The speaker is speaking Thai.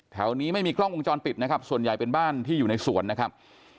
แถวนี้ไม่มีกล้องวงจรปิดนะครับส่วนใหญ่เป็นบ้านที่อยู่ในสวนนะครับ